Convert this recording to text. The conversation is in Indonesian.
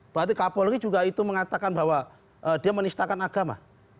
berarti kapolri juga itu mengatakan bahwa dia menistakan agama